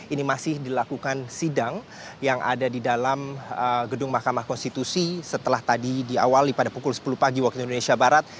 ini masih dilakukan sidang yang ada di dalam gedung mahkamah konstitusi setelah tadi diawali pada pukul sepuluh pagi waktu indonesia barat